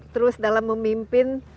terus dalam memimpin